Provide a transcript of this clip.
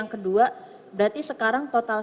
kedua berarti sekarang total